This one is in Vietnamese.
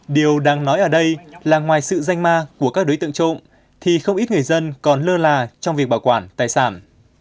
điều đáng nói ở đây là ngoài sự danh ma của các đối tượng trộm thì không ít người dân còn lơ là trong việc bảo quản tài sản